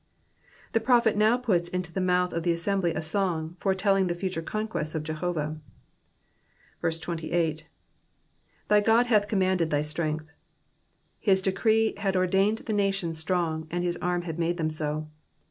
The prophet now puts into the mouth of the assembly a song, foretelling the future conquests of Jehovah. 28. *TAy God hath commanded thy strength,'*^ His decree had ordained the nation strong, and his arm had made them so.